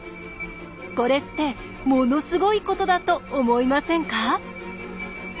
これってものすごいことだと思いませんか？